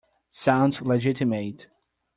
Sounds legitimate.